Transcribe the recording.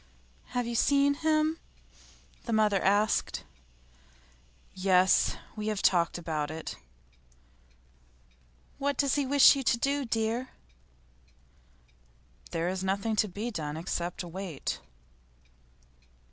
'Have you seen him?' the mother asked. 'Yes. We have talked about it.' 'What does he wish you to do, dear?' 'There's nothing to be done except wait.